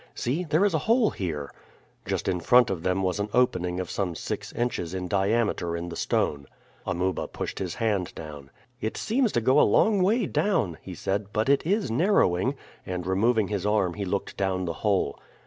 See, there is a hole here!" Just in front of them was an opening of some six inches in diameter in the stone. Amuba pushed his hand down. "It seems to go a long way down," he said; "but it is narrowing," and removing his arm he looked down the hole.